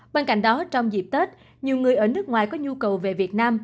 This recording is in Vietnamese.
bên cạnh đó trong dịp tết nhiều người ở nước ngoài có nhu cầu về việt nam